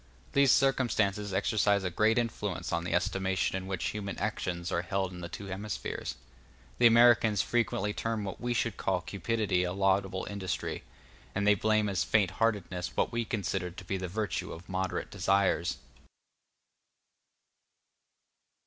These circumstances exercise a great influence on the estimation in which human actions are held in the two hemispheres. The Americans frequently term what we should call cupidity a laudable industry; and they blame as faint heartedness what we consider to be the virtue of moderate desires.